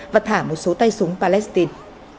và thả một số tay súng palestine